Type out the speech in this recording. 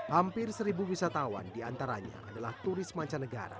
hampir seribu wisatawan diantaranya adalah turis mancanegara